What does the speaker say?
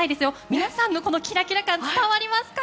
皆さんのキラキラ感伝わりますか？